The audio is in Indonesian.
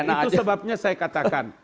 itu sebabnya saya katakan